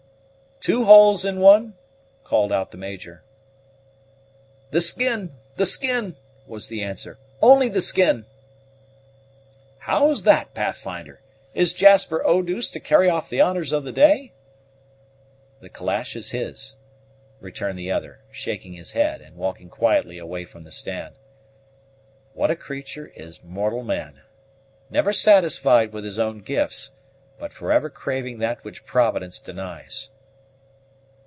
"Two holes in one?" called out the Major. "The skin, the skin!" was the answer; "only the skin!" "How's this, Pathfinder? Is Jasper Eau douce to carry off the honors of the day?" "The calash is his," returned the other, shaking his head and walking quietly away from the stand. "What a creature is mortal man! never satisfied with his own gifts, but for ever craving that which Providence denies!"